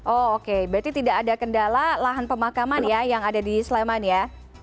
oke berarti tidak ada kendala lahan pemakaman ya yang ada di sleman ya